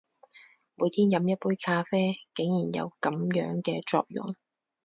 每天飲一杯咖啡，竟然有噉樣嘅作用！